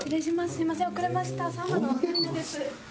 すみません遅れましたサンバのまりなです。